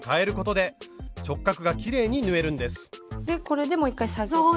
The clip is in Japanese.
でこれでもう一回下げて。